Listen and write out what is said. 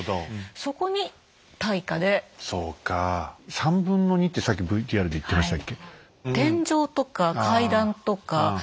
３分の２ってさっきＶＴＲで言ってましたっけ。